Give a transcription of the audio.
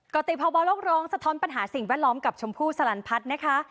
ติภาวะโลกร้องสะท้อนปัญหาสิ่งแวดล้อมกับชมพู่สลันพัฒน์นะคะ